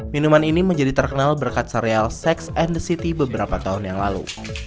minuman ini menjadi terkenal berkat serial sex and the city beberapa tahun yang lalu